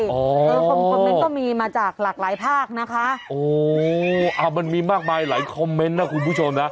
เออคอมคอมเมนต์ก็มีมาจากหลากหลายภาคนะคะโอ้อ่ะมันมีมากมายหลายคอมเมนต์นะคุณผู้ชมนะ